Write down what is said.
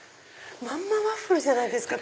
まんまワッフルじゃないですか！